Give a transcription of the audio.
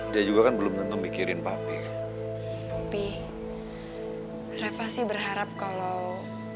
dia juga kan belum memikirin papi papi revasi berharap kalau